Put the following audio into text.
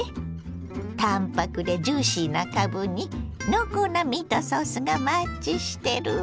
淡泊でジューシーなかぶに濃厚なミートソースがマッチしてるわ。